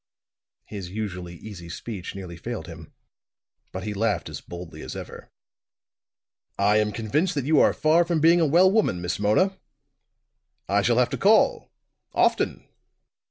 His usually easy speech nearly failed him. But he laughed as boldly as ever. "I am convinced that you are far from being a well woman, Miss Mona! I shall have to call often!"